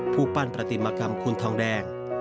ผู้ปั้นประติมกรรมคุณทองแดง